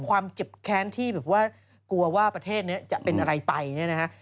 ความเจ็บแค้นที่แบบว่ากลัวว่าประเทศนี้จะเป็นอะไรไปเนี่ยนะฮะ